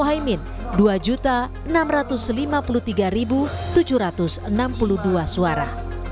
mohaimin dua enam ratus lima puluh tiga tujuh ratus enam puluh dua suara